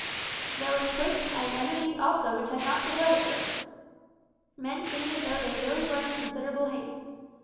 There was a push and energy also which had not prevailed at first. Men seemed as though they really were in considerable haste.